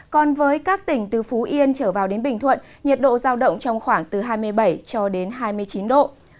còn với các tỉnh từ phú yên trở vào đến bình thuận nhiệt độ giao động trong khoảng từ hai mươi bảy cho đến hai mươi chín độ